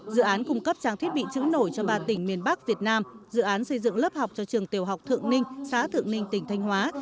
dự án cung cấp trang thiết bị chữ nổi cho ba tỉnh miền bắc việt nam dự án xây dựng lớp học cho trường tiểu học thượng ninh xã thượng ninh tỉnh thanh hóa